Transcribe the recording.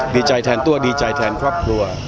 ดีใจแทนตัวดีใจแทนครอบครัว